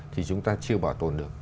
thì chúng ta chưa bảo tồn được